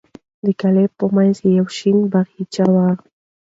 د کلا په منځ کې یو شین باغچه وه.